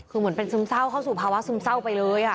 คือเหมือนเป็นซึมเศร้าเข้าสู่ภาวะซึมเศร้าไปเลย